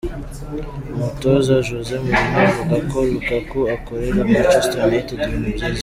Umutoza Jose Mourinho avuga ko Lukaku akorera Manchester United ibintu byiza.